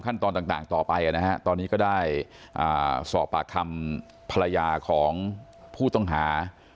ตอนต่างต่อไปนะฮะตอนนี้ก็ได้สอบปากคำภรรยาของผู้ต้องหา